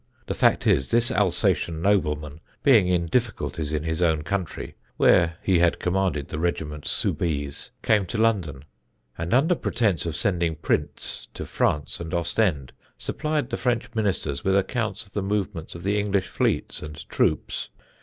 The fact is, this Alsatian nobleman being in difficulties in his own country (where he had commanded the Regiment Soubise), came to London, and under pretence of sending prints to France and Ostend, supplied the French Ministers with accounts of the movements of the English fleets and troops.